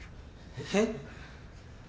えっ？